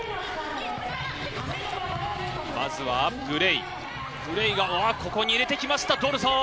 まずはグレイ、グレイがここに入れてきましたドルソン。